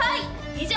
以上＃